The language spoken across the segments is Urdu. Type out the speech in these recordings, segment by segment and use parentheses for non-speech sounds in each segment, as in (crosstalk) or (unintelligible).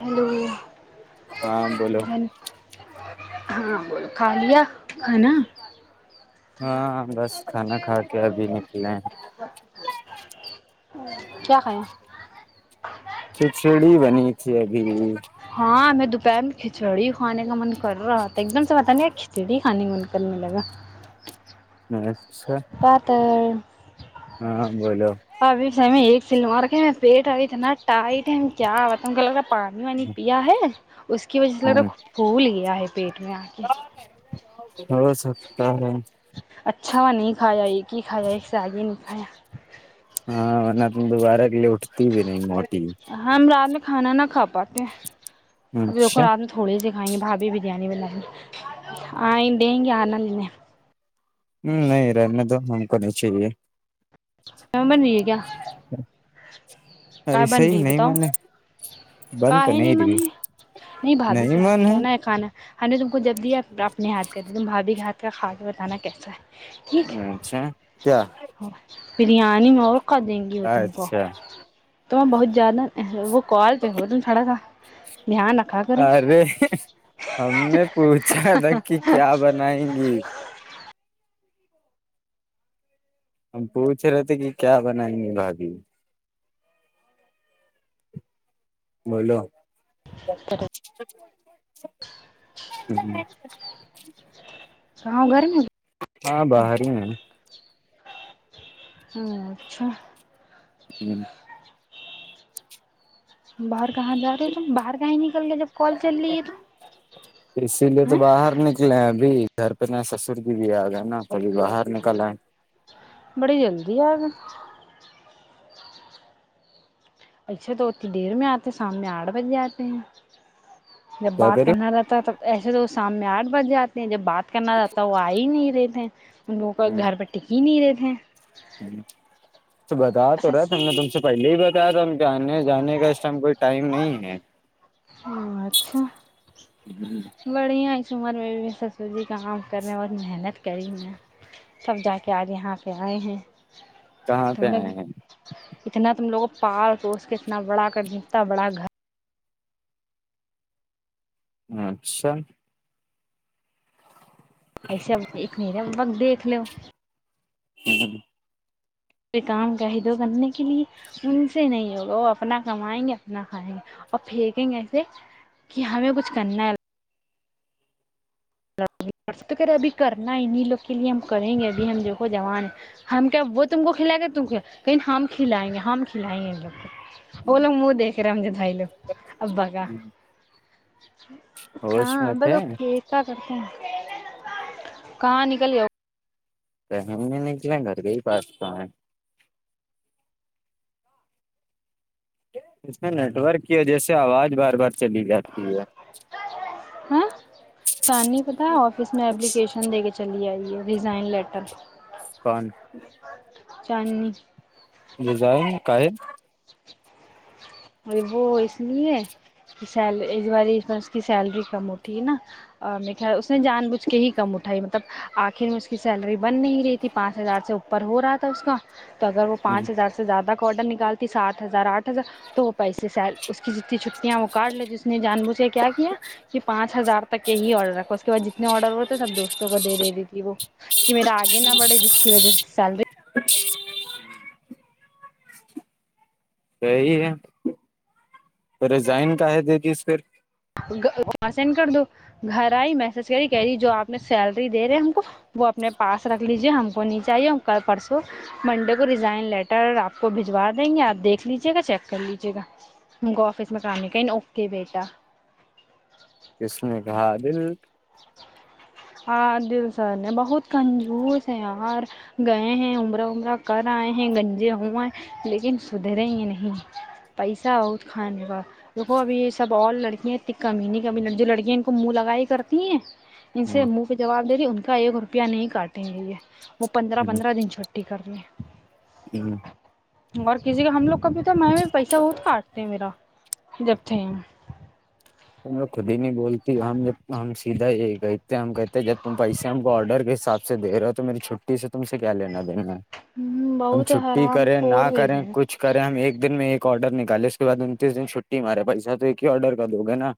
ہیلو ہاں بولو جن (inaudible) ہاں بول کھا لیا ہے نا ہاں بس کھانا کھا ہو کے ابھی نکلے ہیں (inaudible) کیا کھایا (inaudible) کھچڑی بنی تھی ابھی پین کھچڑی کھانے کا من کر کر رہا ایک دم سے بتا نہیں ھیچڑی کھانے من کرنے لگا ہ (unintelligible) پاتر (unintelligible) ہاں (unintelligible) ہاں بولو (unintelligible) سلوار کے میں پیٹ اب اتنا ٹائٹ ہے کیا ہوا کو لگ پانی وانی پیا ہے اس کی وجہ جے ہ لگتا ہے پھول گیا ہے پیٹ میں آ کے (unintelligible) ہو سکتا ہے (inaudible) اچھا ہوا نہیں کھایا ایک ہی کھایا ایک سے آگے نہیں کھایا (unintelligible) ہاں مورن ت میں دوبارہ کے لیے اٹتی بھی نہیں موٹی (unintelligible) ہم رات میں کھانا نہ کھا پاتے (unintelligible) اب دیکھو اچھا رات میں تھوڑے س (unintelligible) ہاںے بابی بریانی ب آ ڈے گے آ ن ل (unintelligible) ہ نہیں رہنے تو ہم کو نہیں چاہیے (unintelligible) م بن رہی ہے کیا (unintelligible) کیا ایسا بن ہی رہی نہیں بتاؤ من ہے کا بند تو ہے نہیں من رہی نہیں بھابھی کے ہاتھ کہنا ہے کھانا ہم نے تم کو جب دیا اپنے ہاتھ (unintelligible) کہتے تم بھاھی گھاتٹ کا کھا کے بتانا کیسا ہے (unintelligible) اچھا کیا (unintelligible) بریانی اور (unintelligible) کر دیں گی ہو تم کو اچھا (unintelligible) تو میں بہت جیاانا وہ کال سے ہو تم تھوڑا سا (unintelligible) کرو ارے ہم نے پوچھا تھا کہ کیا بنائیں گی (unintelligible) ہم پوچھ رہے ت (unintelligible) ھے کہ کیا بنائیں گے بھبھی بولو (unintelligible) س (inaudible) (inaudible) ہ گرمی (inaudible) ہاں باہر ہی ہیں (inaudible) ہ اچھا (inaudible) ہوں (inaudible) باہر کہاں جا رہے ہو تو باہر کہیں نکل گئے جب کال چل رہ ہے تو اسی لیے ا تو باہر نکلے ہیں ابھی گھر پہ نا سسور د دیا آگا نا کبھی باہر نکل آ ہے بڑی جلدی آگ اچھا تو اتنی دیر میں آتے شام میں آٹھ بج جاتے ہیں جب کیا بات کرے کرنا رہتا ہے تب ایے تو وہ شام میں آٹھ بج جاتے ہیں جب بات کہناات تو واہ نہیں رہے (inaudible) ان لووں کا گھر پہ ٹک ہی نہیں رہتے ہاں ا (inaudible) (unintelligible) پہلے ہی بتا رہ تھاوں جاننے جانے کا اس ٹائم کوئی ٹائم نہیں ہے (unintelligible) بڑھیا ہے سومر میں بھی سب سوزی کا کام کرنے بہت محنت کری میں تب جا کے آج یہاں پہ آئے ہیں کہاں پہ تم لوگ آئے اتنا تم لوگوں پارک اس کے اتنا بڑا کر اتنا بڑا گھر اچھا ایسے اب ایک نہیں رہا بق دیکھ لو (unintelligible) م کام قہید کرنے کے لیے ان سے نہیں ہوگا وہ اپنا کمائیں گے اپنا کھائیں گے اور پھینکیں گے ایسے کہ ہمیں کچھ کرنا ہے ہ رہے ابھی کرنا ہے انیں لوگ کے لیے ہم کریں گے ابھی ہم جو جوان ہے ہم کیا وہ تم کو کھلا گ ت کہ ہم کھلائیں گے ہم کھلائیں گے ان لوگ کو وہ لوگ م دیکھے رہا رمج بھائی لو اببا کا ہوش ہاں میں تھے بسیک کہاں نکل گیاؤ ہم نے ن کیالا گھر کے ہی پاس تو اس میں نیٹ ورک کی وجہ سے آواز بار بار چلی جاتی ہے ہاں چان نہیں پتا آفس میں اپلیکیشن دے کے چلی آئی ریزائن لیٹر کون چاندنیی جزائن کا ہے ا وہ اس لیے کہ سل اس بار اس بار اس کی سیلری کم اٹھی ہے نا میں خیال اس نے جان بوجھ کے ہی کم اٹھائی مطلب آخر میں اس کی سیلری بن نہیں رہی تھی پانچ ہزار سے اوپر ہو رہا تھا اس کا اگر وہ پانچ ہزار سے زیادہ کوڈر نکال سات ہزار آٹھ ہزار تو وہ پیسے سیل اس کی جتنی چھٹی وہ کاٹ لی ج اس نے جان بوجھے کیا کیا کہ پانچ ہزار تک کے یہ ہی آرڈر رکھا اس کے بعد جتنے آرڈر ہوتے سب دوستوں کو دے دے دیی تھی وہ کہ میرا آگے نہ بڑے جس کی وجہ سے سیلری اچھا (unintelligible) صی ہے تو ریزائن کا ہے دےج اس پھر (unintelligible) وہاں سینڈ کر دو گھر آئی میسج کری کہہی جو آپ نے سیلری دے رہے ہم کو وہ اپنے پاس رکھ لیجے ہم کو نیچے آئیے ہم کل پرسوں منڈے کو ریزائن لیٹر آپ کو بجوا دیں گے آپ دیکھ لیجیے گا چیک کر لیجے گا ہم کو آفس میں کام نہیں کریں گ اوکے بیٹا کس نے کہا بل (unintelligible) آادل سر نے بہت کنجوس ہے یار گئے ہیں عمرہ امرہ کر آئے ہیں گنجے ہوئے لیکن سدھرے ہی نہیں پیسہ بت کھانے کا دیکھو ابھی یہ سب اور لڑکیاں اتنی کمی نہیں کمی جو لڑکیاں ان کو منہ لگائی ہی کر تین (unintelligible) ان سے منہ پہ جواب دریی ان کا ایک روپیہ نہیں کاٹیں گے یہ (unintelligible) وہ پندرہ پندرہ دن چھٹی کرنی ہیں ہاں (unintelligible) اور کسی کا ہم لوگ کا بھی تو میں بھی پیسہ بہت کاٹتے میرا جبتے ہم س رکھ (unintelligible) دین بولتی ہم جب ہم سیدھا ایک (unintelligible) ا ہم کہتے ہیں جب تم پیسے ہم کو آرڈر کے حساب سے دے ہو تو میری چھٹی سے تم سے کیا ل (unintelligible) دن ہم بہت چھٹی حرام کریں نہ خور ہو گئے کریں کچھ کریں ہم ایک دن میں ایک (unintelligible) ایک آرڈر نکال اس کے بعد انتیس دن چھٹی م ہمارا پیسہ تو ایک ہی آرڈر کا دو گ نا (unintelligible)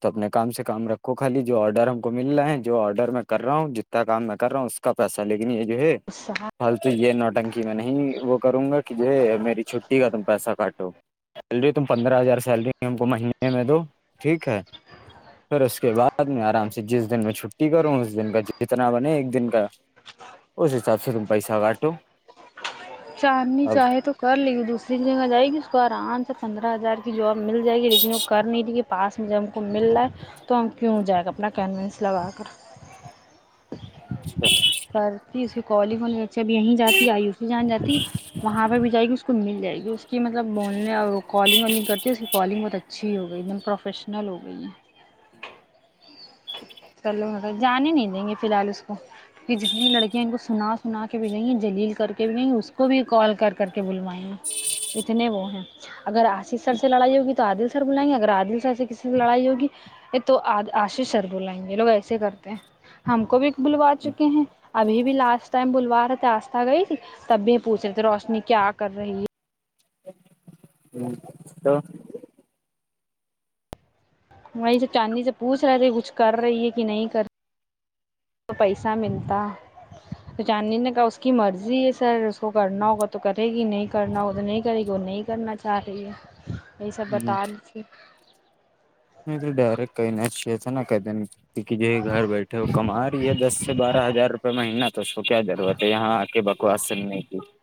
تو اپنے کام سے کام رکھو خالی جو آرڈر ہم کو مل رہا ہے جو آرڈر میں کر رہا ہوں جتنا کام میں کر رہا ہوں اس کا پیسہ لے کے ل یہ جو ہے ہیں پالتو یہ نوٹنکی میں نہیں وہ کروں گا کہ جو ہے میری چھٹی کا تم پیسہ کاٹو سیلری تم پندرہ ہزار سیلری ہے ہم کو مہینے میں دو (unintelligible) ٹھیک ہے پھر اس کے بعد میں آرام سے جس دن میں چھٹی کروں (unintelligible) اس دن کا جتنا بنے ایک دن کا اس حساب سے ت چاندنی اب چاہے تو کر لی دوسری جگہ جائے گی اس کو آرام سےک (unintelligible) پندرہ ہزار کی جو (unintelligible) مل جائے گی لیکن وہ کر نہیں رہ (unintelligible) پاس میں جب ہم کو مل رہا ہے تو ہم کیوں جائے گا اپنا کینوینس لگا کر اچ (unintelligible) کرتی اسی کوال کون (unintelligible) جب یہیں جاتی ہے آیو سی جان جاتی ہے وہاں پہ بھی جائے گی اس کو مل (unintelligible) جائے گی اس کی مطلب بولنے اور (unintelligible) کالنگ اور نہیں کرتے اس کی کالگ بہت اچھا (unintelligible) اچھی ہو گئی ا دن پروفیشنل ہو گئی ہیں (unintelligible) لوگ م جانے نہیں دیں گے فی الحال اس کو کہ جتنی لڑکیاں ان کو سنا سنا کے بھی گئیں ہیں جلیل کر کے بھی گئیں اس کو بھی کال کر کر کے بلوائیں گے اتنے وہ ہیں اگر آشیش سر سے لڑائی ہوگی تو عادل سر بلائیں گے اگر عادل سر سے کسی سے لڑائی ہوگی تو آ (unintelligible) سر بلائیں گے لوگ ایسے کرتے ہیں ہم کو بھی بلوا چکے ہیں ابھی بھی لاسٹ ٹائم بلوا رہے تھے آستھا گئی تھی تب بھی ہم پوچھ رہے تھے روشنی کیا کر رہی ہے ہ تو تو (inaudible) وہی سےب چاندنی سے پوچھ رہے تھے کچھ کر رہی ہے کہ نہیں کر رہی تو پیسہ ملتا تو چاندنی نے کہا اس کی مرضی ہے سر اس کو کرنا ہوگا تو کرے گی نہیں کرنا ہوگا تو نہیں کرے گی وہ نہیں کرنا چاہ رہی ہے یہی سب بتا دی سے (inaudible) نہیں تو ڈائریکٹ کئی ن چیتا نہ کہ د ن (unintelligible) کیونکہ جو گھر بیٹھے وہ کما رہی ہے دس سے بارہ ہزار روپئے مہینہ تو اس کو کیا ضرورت ہے یہاں آ کے بکواس سننے کی (inaudible) (inaudible)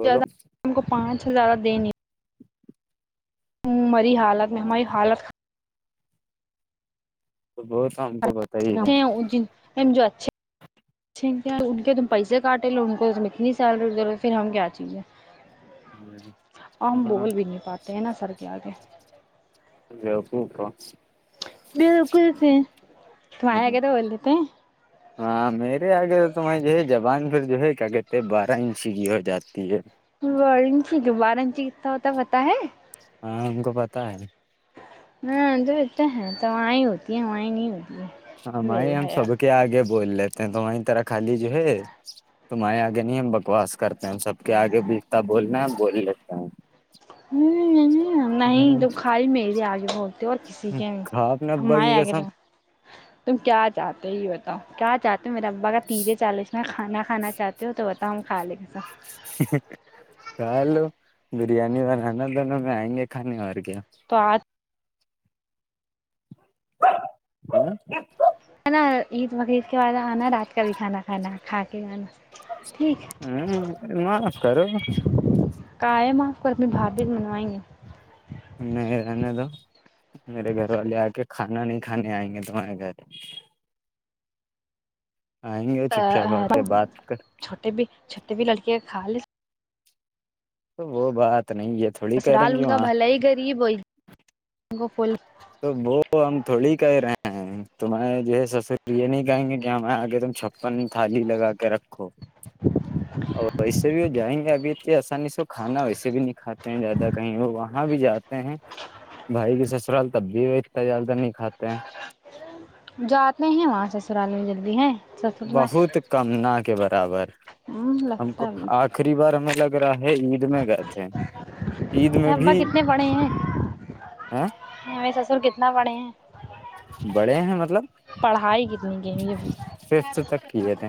بولو زیادہ ہم کو پانچ (inaudible) اچھ سے زیادہ دے نہیں (inaudible) مری حالت میں ہماری حالت تو وہ تو ہم کو بتائیے جو اچھےچ (inaudible) ان کے تم پیسے کاٹے لو ان کو تم اتنی سیلری دےو پھر ہم کیا چاہیے (inaudible) ہم ہاں بول بھی نہیں پاتے ہیں نا سر کیا آ کے (inaudible) ا پوکا بالکل تمہارے آگے تو بول دیتے ہیں (inaudible) ہاں میرے آگے تو تمیں جو ہے جبان پھر جو ہے (inaudible) کیا کہتے ہیں بارہ انچ کی ہو جاتی ہے چی گبارا انچی کتنا ہوتا پتا ہے ہاں ہم کو پتا ہے (inaudible) ہاں دتے ہیں تو وہیں ہوتی ہے وہیں نہیں ہوتی ہ ہے بے مائ ہم ہم حیا سبک آگے بول لیتے ہیں تو وہیں طرح خالی جو ہے تمہیں آگے نہیں ہم بکواس کرتے ہیں سب کے آگے بیچتا بولنا ہے ہم بول لیتے ہیں ہ نہیں تم خالی میرے آگے بڑولتے ہو اور کسی کے بھی کھاؤ اپنے ابا ہمارے کی آگے قسم تم کیا چاہتے یہ بتاؤ کیا تو میر ابا کا تیزے چال اس میں کھانا کھانا چاہتی ہو تو بتاؤں کھا لیں کے سا ک لو بریانی بنانا دونوں میں آئیں گے کھانے اور کے (inaudible) ٹک ہے (inaudible) تو آج ہ (inaudible) نا عید بقرید کے بعد آنا رات کا بھی کھانا کھانا کھا کے جانا ٹھیک ہ ہے م کرو (unintelligible) قائم آ کر اپنی بھار بھیت منوائیں گے (unintelligible) نہیں رہنے دو میرے گھر والے آ کے کھانا نہیں کھانے آئیں گے تمہارے گھر (unintelligible) آئیں گے چپ چاپ ا کے بات کر چھوٹے بھی چھوٹے بھی لڑکی (unintelligible) خالی (unintelligible) تو وہ بات (inaudible) تھوڑی کہہ رہے دسرال ہیں کہ ان کا وہاں بھل ہی غریب ہوئی ان کوو پھول (inaudible) تو وہ ہم تھوڑی کہہ رہے ہیں تمہے جو ہے سب یہ نہیں کہیں گے کہ ہمیں آگے تم چھپن تھالی لگا کے رکھ اور وسے بھی وہ جائیں گے آ (unintelligible) بی (unintelligible) آسانی سے کھانا ویسے بھی نہیں کھاتے ہیں زیادہ کہیں وہ وہاں بھی جاتے ہیں بھائی کے سسرال سبزی وچتا جلد نہیں کھاتے ہیں جات نہیں ہیں وہاں سسرالی میں ج (unintelligible) ی ہیں (inaudible) میں بہت کم نہ کے برابر ہم لگتا کو ہے آخری بار ہمیں لگ (unintelligible) ایرا (unintelligible) عید میں گئے تھے عید میں ابا بھی کتنے پڑھے ہیں ہ (unintelligible) تو کتنا پڑے ہیں (unintelligible) بڑے ہیں مطلب پڑھائی کتنی کی ہے ففت تک کی ہو تھ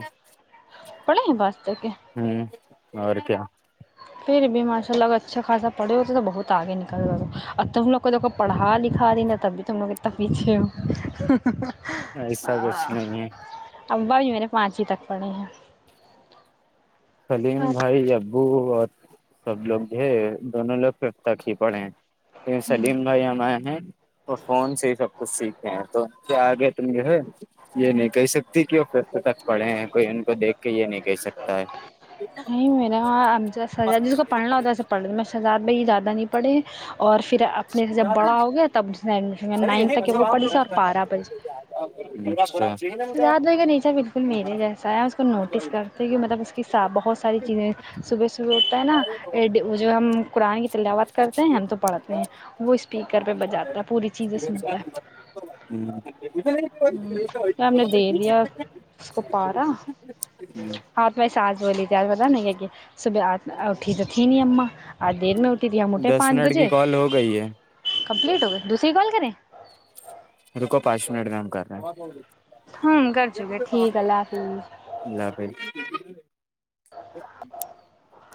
پڑھے ہیں پاس تک ہوں (unintelligible) اور کیا (unintelligible) پھر بھی ماشاء اللہ اگر اچھا خاصا پھے ہوتے تو بہت آگے نکل رہ اور تب ہم لوگ کو ج کو پڑھا لکھا رہی نا تبھی تو ہم لوگ اتب پیچھے ہو ایسا کچھ نہیں ہے ابا جی میں نے پانچویں تک پڑھے ہیں سلیم بھائی ابو بہت سب لوگ جو ہے دونوں لوگ پتک کی پڑے ہیں سلیم بھائی ہمارے ہیں وہ فون سے سب کچھ سیکھ ہ تو کیا آ گئے تم کے ہے یہ نہیں کہہ سکتی کہوں س تک پڑھے ہیں کوئی ان کو دیکھ کے یہ نہیں کہہ سکتا ہے نہیں میرے وہاں ا سجاد جس کو پڑھنا ہوتا ہے ایسے پڑھ ل میں شزاد بھائی زیادہ نہیں پڑھے اور پھر اپنے سے جب بڑا ہوگیا تب اس ایڈمیشن ارے نائن یہ تک وہ پڑھی سے اور (unintelligible) سج بائی کا نیچر بالکل میرے جیسا ہے اس کو نوٹس کرتے کہ مطلب اس کی بہت ساری چیزیں صبح صبح اٹتا ہے نا جو ہم قرآن کی تلاوت کرتے ہیں ہم تو پڑھتے ہیں وہ اسپیکر پہ بجاتا ہے پوری چیزیں سنتا ہ (inaudible) میں ہم نے دے دیا اس کو پارا ہاتھ میں س آج بلی تھیار پتا نہیں کیا کہ صبح آ اٹھی تو تھی نہیں ہم (inaudible) آج دیر میں اٹھی تھی ہم اٹے دس پانچ منٹ کی بجے کال ہو گئی ہے کمپلیٹ ہو گئی دوسری گال (inaudible) رکو پانچ منٹ نام کر رہے ہیں ہ کر چکے ٹھیک ہے اللہ حافظ ج (inaudible)